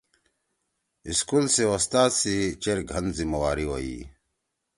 سکول سی اُستاد سی چیر گھن ذمہ داری ہوئی۔